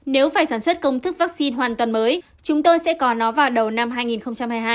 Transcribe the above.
nếu phải sản xuất công thức vaccine hoàn toàn mới chúng tôi sẽ còn nó vào đầu năm hai nghìn hai mươi hai